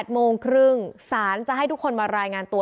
โมงครึ่งสารจะให้ทุกคนมารายงานตัว